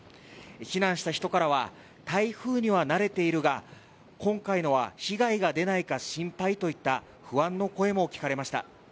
避難した人からは台風には慣れているが、今回のは被害が出ないか心配といった不安の声も聞かれました。